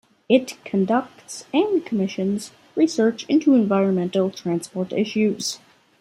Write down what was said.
It conducts and commissions research into environmental transport issues.